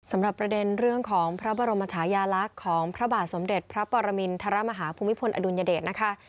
สำหรับประเด็นเรื่องของพระบรมชายาลักษณ์ของพระบาทสมเด็จพระปรมินทรมาฮาภูมิพลอดุลยเดชนะคะ